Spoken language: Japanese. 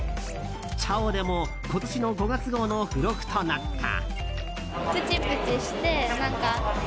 「ちゃお」でも今年の５月号の付録となった。